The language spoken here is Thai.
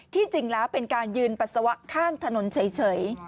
จริงแล้วเป็นการยืนปัสสาวะข้างถนนเฉย